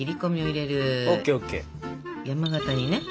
山型にね。